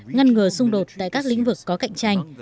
ngăn ngừa xung đột tại các lĩnh vực có cạnh tranh